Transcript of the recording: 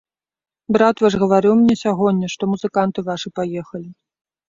Брат ваш гаварыў мне сягоння, што музыканты вашы паехалі.